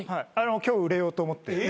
今日売れようと思って。